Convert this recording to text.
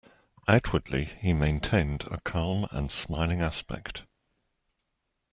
Outwardly, he maintained a calm and smiling aspect.